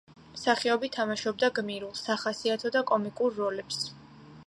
მსახიობი თამაშობდა გმირულ, სახასიათო და კომიკურ როლებს.